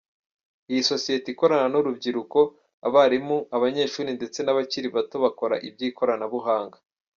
Iyi sosiyete ikorana n’urubyiruko, abarimu, abanyeshuri ndetse n’abakiri bato bakora iby’ikoranabuhanga.